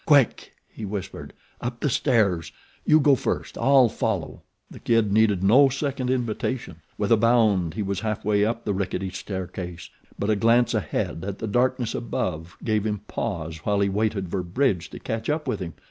"Quick!" he whispered. "Up the stairs! You go first; I'll follow." The Kid needed no second invitation. With a bound he was half way up the rickety staircase; but a glance ahead at the darkness above gave him pause while he waited for Bridge to catch up with him.